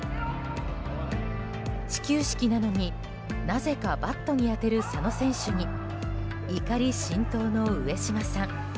始球式なのになぜかバットに当てる佐野選手に怒り心頭の上島さん。